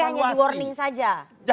hanya di warning saja